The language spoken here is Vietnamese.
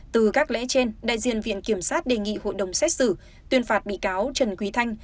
từ các lễ trên đại diện viện kiểm sát đề nghị hội đồng xét xử tuyên phạt bị cáo trần quý thanh